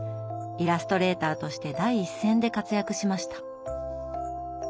イラストレーターとして第一線で活躍しました。